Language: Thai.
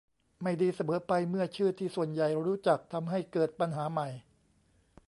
ไม่ดีเสมอไปเมื่อชื่อที่ส่วนใหญ่รู้จักทำให้เกิดปัญหาใหม่